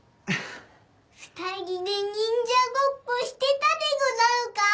２人で忍者ごっこしてたでござるか？